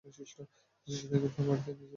তিনি আমাদেরকে তার বাড়িতে নিয়ে যেতেন।